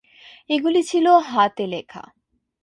এগুলি ছিল হাতে লেখা।